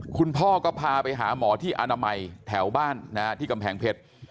คุณพ่อก็พาไปหาหมอที่อนามัยแถวบ้านที่กำแพงเพชร